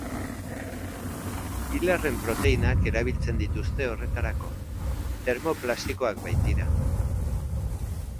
Ilarren proteinak erabiltzen dituzte horretarako, termoplastikoak baitira.